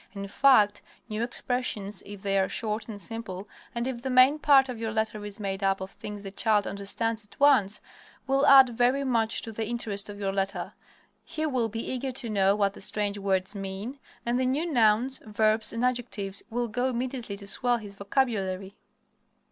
In fact, new expressions, if they are short and simple, and if the main part of your letter is made up of things the child understands at once, will add very much to the interest of your letter. He will be eager to know what the strange words mean, and the new nouns, verbs, and adjectives will go immediately to swell his vocabulary.